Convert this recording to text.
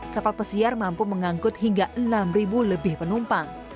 kapal pesiar mampu mengangkut hingga enam lebih penumpang